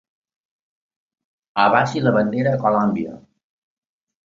Abaixi la bandera a Colòmbia.